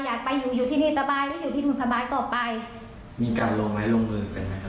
อยากไปอยู่อยู่ที่นี่สบายหรืออยู่ที่นู่นสบายต่อไปมีการลงไม้ลงมือกันไหมครับ